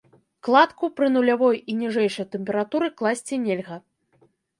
Кладку пры нулявой і ніжэйшай тэмпературы класці нельга.